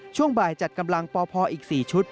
ช่วงบ่ายจัดกำลังปพอีก๔ชุด